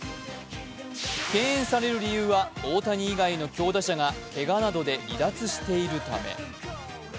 敬遠される理由は大谷以外の強打者がけがなどで離脱しているため。